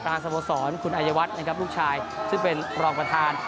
ทางสโมสรคุณอายวัฒน์ลูกชายซึ่งเป็นรองประธาน